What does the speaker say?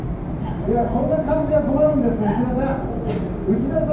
いや、こんな感じじゃ困るんです、内田さん！